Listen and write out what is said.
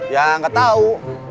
ya nggak tahu